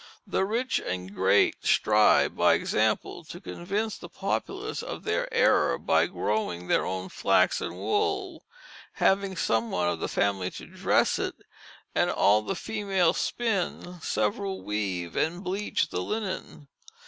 "The Rich and Great strive by example to convince the Populace of their error by Growing their own Flax and Wool, having some one in the Family to dress it, and all the Females spin, several weave and bleach the linen."